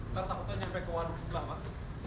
ntar takutnya sampai ke warung sebelah mas